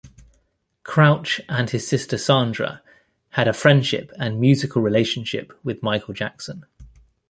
Crouch and his sister Sandra had a friendship and music relationship with Michael Jackson.